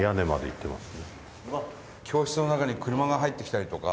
伊達：教室の中に車が入ってきたりとか。